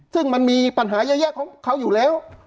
ซึ่งมันมีปัญหาเยอะแยะของเขาอยู่แล้ว